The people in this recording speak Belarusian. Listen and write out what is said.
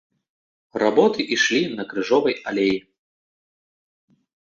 Работы ішлі на крыжовай алеі.